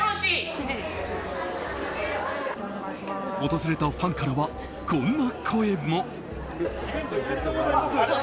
訪れたファンからはこんな声も。